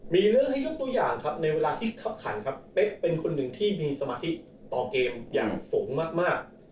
มีเรื่องให้ยกตัวอย่างครับในเวลาที่เข้าขันครับเป๊กเป็นคนหนึ่งที่มีสมาธิต่อเกมอย่างสูงมาก